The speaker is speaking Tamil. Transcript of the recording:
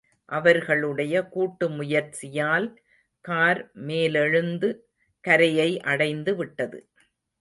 அவர்களுடைய கூட்டு முயற்சியால் கார் மேலெழுந்து கரையை அடைந்துவிட்டது.